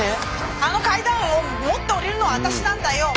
あの階段を持って下りるのは私なんだよ！